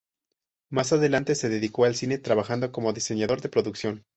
Más adelante se dedicó al cine, trabajando como diseñador de producción.